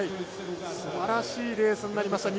すばらしいレースになりました。